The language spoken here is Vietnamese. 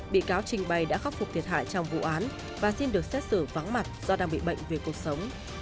bị cáo trình bày đã khắc phục thiệt hại trong vụ án và xin được xét xử vắng mặt do đang bị bệnh về cuộc sống